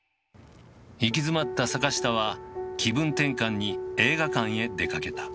行き詰まった坂下は気分転換に映画館へ出かけた。